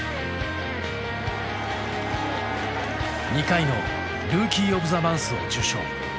２回のルーキー・オブ・ザ・マンスを受賞。